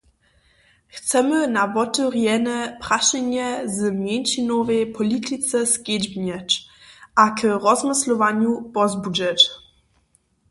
Chcemy na wotewrjene prašenja w mjeńšinowej politice skedźbnjeć a k rozmyslowanju pozbudźeć.